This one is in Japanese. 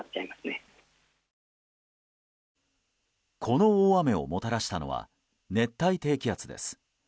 この大雨をもたらしたのは熱帯低気圧です。